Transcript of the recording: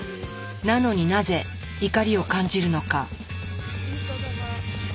なのになぜ怒りを感じるのか？